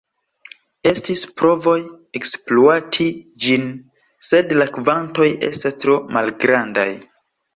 Estis provoj ekspluati ĝin, sed la kvantoj estas tro malgrandaj.